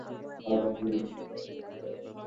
Personal জিনিসের জন্য আমি খুব ভালো।